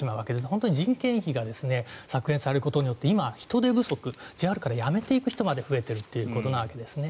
本当に人件費が削減されることによって今、人手不足ＪＲから辞めていく人まで増えていくというんですね。